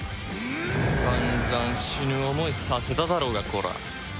散々死ぬ思いさせただろうがコラッ！